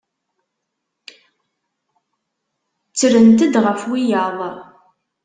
Ttrent-d ɣef wiyaḍ.